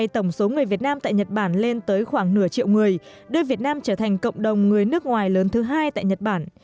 tổng số người việt nam tại nhật bản lên tới khoảng nửa triệu người đưa việt nam trở thành cộng đồng người nước ngoài lớn thứ hai tại nhật bản